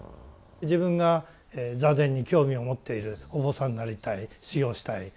自分が座禅に興味を持っているお坊さんになりたい修行したい。